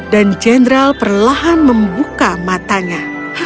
dan jendral perlahan membuka matanya